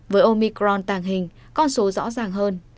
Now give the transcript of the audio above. với omicron tàng hình con số rõ ràng hơn